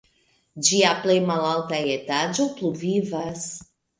Ĝia plej malalta etaĝo pluvivas.